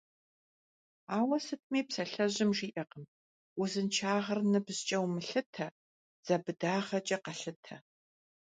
Ауэ сытми псалъэжьым жиӀэркъым: «Узыншагъэр ныбжькӀэ умылъытэ, дзэ быдагъэкӀэ къэлъытэ».